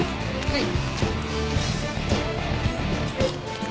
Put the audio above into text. はい。